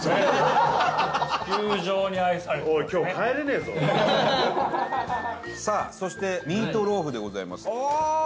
伊達：さあ、そしてミートローフでございます。